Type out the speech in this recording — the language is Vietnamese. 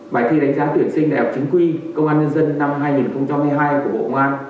bài thi đánh giá tuyển sinh đèo chính quy công an nhân dân năm hai nghìn một mươi hai của bộ công an